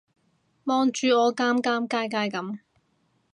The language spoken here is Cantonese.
望住我尷尷尬尬噉